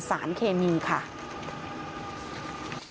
สองคือได้กลิ่นสารเคมีค่ะ